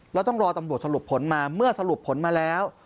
แล้วต้องรอตำรวจสรุปผลมาเมื่อสรุปผลมาแล้ว